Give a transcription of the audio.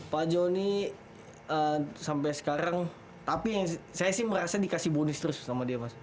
pak joni sampai sekarang tapi saya sih merasa dikasih bonus terus sama dia mas